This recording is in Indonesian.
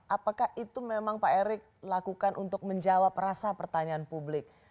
apakah itu memang pak erick lakukan untuk menjawab rasa pertanyaan publik